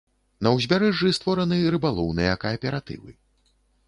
На ўзбярэжжы створаны рыбалоўныя кааператывы.